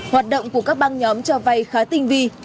hoạt động của các băng nhóm cho vay khá tinh vi